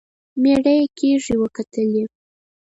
مېړه يې کږې وکتلې.